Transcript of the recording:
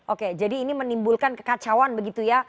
oke jadi ini menimbulkan kekacauan begitu ya